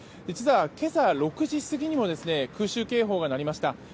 実は今朝６時過ぎにも空襲警報が鳴りました。